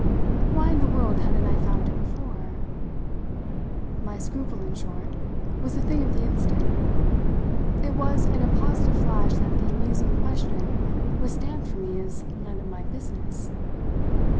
Why in the world hadn't I found it before? My scruple, in short, was a thing of the instant; it was in a positive flash that the amusing question was stamped for me as none of my business.